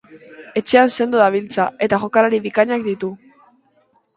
Etxean sendo dabiltza, eta jokalari bikainak ditu.